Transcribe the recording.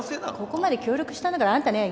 ここまで協力したんだからあんたね